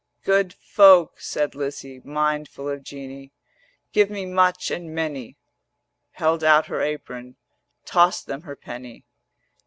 'Good folk,' said Lizzie, Mindful of Jeanie: 'Give me much and many:' Held out her apron, Tossed them her penny.